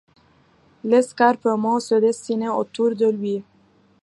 L'escarpement se dessinait autour de lui.